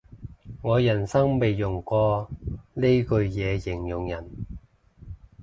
我人生未用過呢句嘢形容人